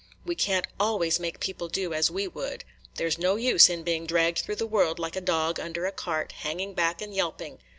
We can't always make people do as we would. There 's no use in being dragged through the world like a dog under a cart, hanging back and yelping.